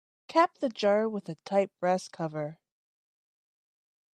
Cap the jar with a tight brass cover.